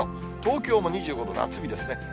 東京も２５度、夏日ですね。